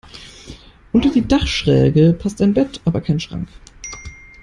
Unter die Dachschräge passt ein Bett, aber kein Schrank.